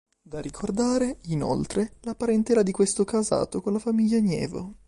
Da ricordare, inoltre, la parentela di questo casato con la famiglia Nievo.